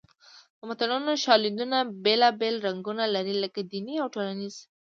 د متلونو شالیدونه بېلابېل رنګونه لري لکه دیني او ټولنیز